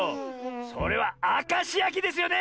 それはあかしやきですよね！